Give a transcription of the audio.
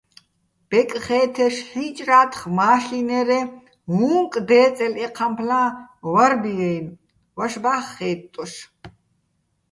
ბეკხე́თეშ ჰ̦ი́ჭრა́თხ მაშინერეჼ, უ̂ნკ დე́წელო ეჴამფლა́ჼ ვარბი-აჲნო̆, ვაშბა́ხ ხე́ტტოშ.